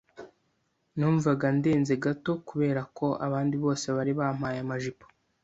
Numvaga ndenze gato kubera ko abandi bose bari bambaye amajipo.